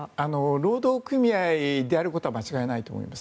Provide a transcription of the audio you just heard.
労働組合であることは間違いないと思います。